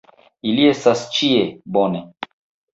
Ili estas ĉie. Bone.